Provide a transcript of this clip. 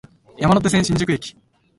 山手線、新宿駅